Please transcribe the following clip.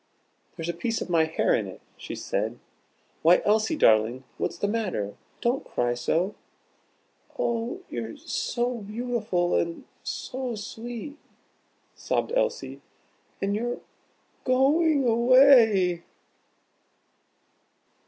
"There's a piece of my hair in it," she said. "Why, Elsie, darling, what's the matter? Don't cry so!" "Oh, you're s o beautiful, and s o sweet!" sobbed Elsie; "and you're go o ing away."